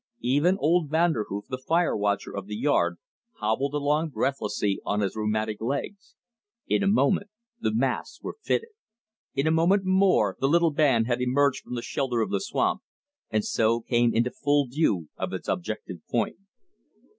Even old Vanderhoof, the fire watcher of the yard, hobbled along breathlessly on his rheumatic legs. In a moment the masks were fitted. In a moment more the little band had emerged from the shelter of the swamp, and so came into full view of its objective point.